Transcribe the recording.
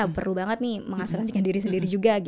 perlu banget nih mengasuransikan diri sendiri juga